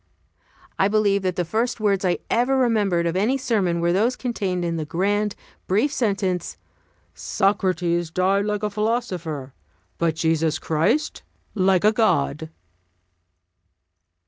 I believe that the first words I ever remembered of any sermon were those contained in the grand, brief sentence, "Socrates died like a philosopher; but Jesus Christ like a God!"